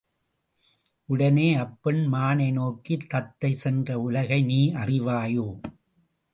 உடனே அப்பெண் மானை நோக்கித் தத்தை சென்ற உலகை நீ அறிவாயோ?